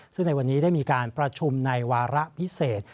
ซึ่งในวันนี้ได้มีการประชุมในวาระพิเศษ